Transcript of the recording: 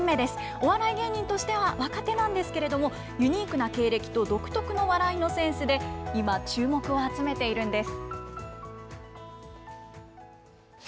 お笑い芸人としては若手なんですけれども、ユニークな経歴と独特の笑いのセンスで、今、注目を集めているんです。